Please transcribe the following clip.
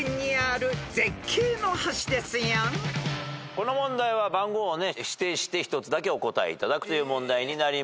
この問題は番号を指定して１つだけお答えいただくという問題になります。